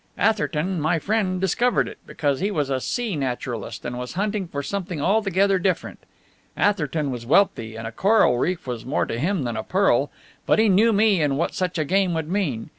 Atherton my friend discovered it, because he was a sea naturalist, and was hunting for something altogether different. Atherton was wealthy, and a coral reef was more to him than a pearl. But he knew me and what such a game would mean.